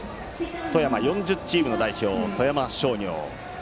富山４０チームの代表の富山商業。